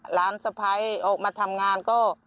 สะพ้ายออกมาทำงานก็